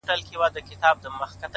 هره ورځ د نوې زده کړې امکان لري,